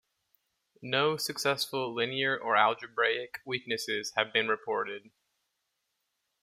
No successful linear or algebraic weaknesses have been reported.